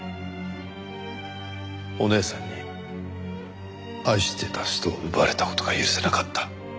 お姉さんに愛してた人を奪われた事が許せなかった。